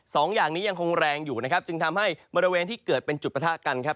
สองอย่างนี้ยังคงแรงอยู่นะครับจึงทำให้บริเวณที่เกิดเป็นจุดประทะกันครับ